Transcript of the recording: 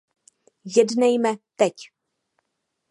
Jednejme teď.